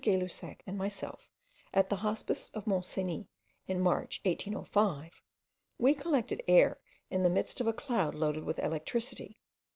Gay Lussac and myself at the hospice of Mont Cenis, in March 1805, we collected air in the midst of a cloud loaded with electricity.